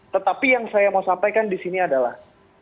tetapi yang saya mau sampaikan di sini adalah